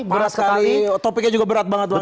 panas sekali topiknya juga berat banget bang ya